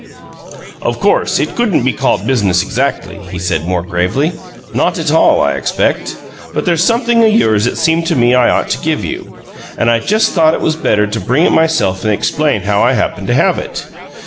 "Of course, it couldn't be called business, exactly," he said, more gravely. "Not at all, I expect. But there's something o' yours it seemed to me I ought to give you, and I just thought it was better to bring it myself and explain how I happened to have it.